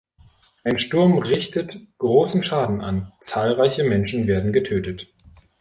Ein Sturm richtet großen Schaden an, zahlreiche Menschen werden getötet.